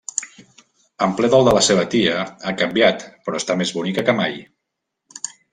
En ple dol de la seva tia, ha canviat però està més bonica que mai.